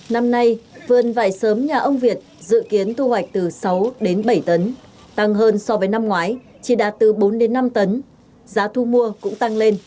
năm nay vườn vải sớm nhà ông việt dự kiến thu hoạch từ sáu đến bảy tấn tăng hơn so với năm ngoái chỉ đạt từ bốn đến năm tấn